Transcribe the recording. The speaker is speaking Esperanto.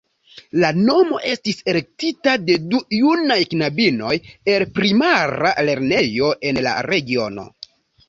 La nomo estis elektita de du junaj knabinoj el primara lernejo en la regiono.